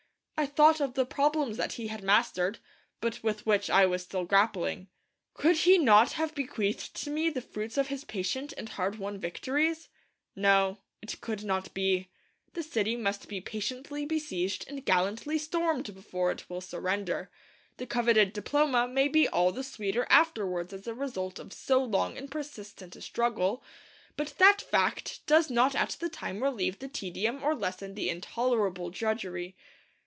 I thought of the problems that he had mastered, but with which I was still grappling. Could he not have bequeathed to me the fruits of his patient and hard won victories? No; it could not be. The city must be patiently besieged and gallantly stormed before it will surrender. The coveted diploma may be all the sweeter afterwards as a result of so long and persistent a struggle; but that fact does not at the time relieve the tedium or lessen the intolerable drudgery.